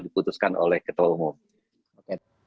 diputuskan oleh ketua umum